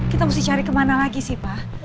kita mesti cari kemana lagi sih pak